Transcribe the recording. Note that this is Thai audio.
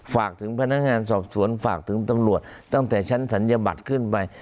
ฝากถึงพนักงานสอบสวนฝากถึงตำรวจตั้งแต่ชั้นศัลยบัตรขึ้นไป